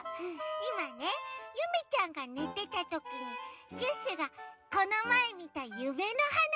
いまねゆめちゃんがねてたときにシュッシュがこのまえみたゆめのはなしをしてくれてたの。